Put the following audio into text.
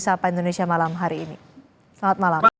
sapa indonesia malam hari ini selamat malam